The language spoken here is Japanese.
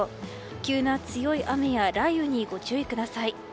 急な強い雨や雷雨にご注意ください。